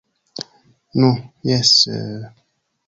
Nu, jes...